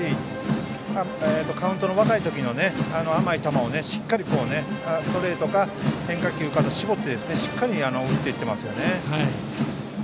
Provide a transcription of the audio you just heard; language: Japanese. カウントが若い時の甘い球を、しっかりストレートか変化球か絞ってしっかり打っていっていますね。